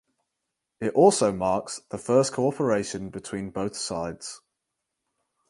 It also marks the first cooperation between both sides.